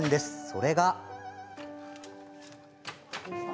それが。